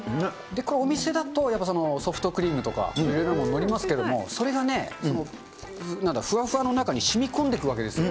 これお店だと、ソフトクリームとか、いろいろなもの載りますけれども、それがね、ふわふわの中にしみこんでいくわけですよ。